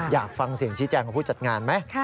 อยากฟังเสียงชี้แจงของผู้จัดงานไหม